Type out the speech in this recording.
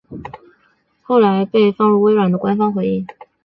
后来被放入微软的官方回应。